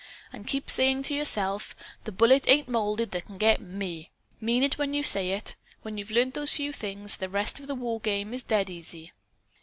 And keep saying to yourself: 'The bullet ain't molded that can get ME!' Mean it when you say it. When you've learned those few things, the rest of the war game is dead easy."